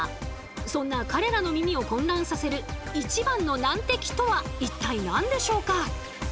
そんな彼らの耳を混乱させる一番の難敵とは一体何でしょうか？